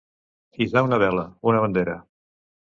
Hissar una vela, una bandera.